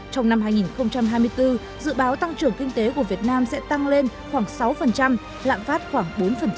trong năm hai nghìn hai mươi bốn dự báo tăng trưởng kinh tế của việt nam sẽ tăng lên khoảng sáu lạm phát khoảng bốn